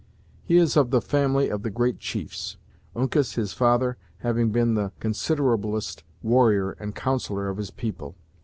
He is of the family of the great chiefs; Uncas, his father, having been the considerablest warrior and counsellor of his people.